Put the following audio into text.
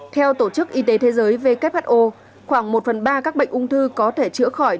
theo tổ chức y tế thế giới who khoảng một phần ba các bệnh ung thư có thể chữa khỏi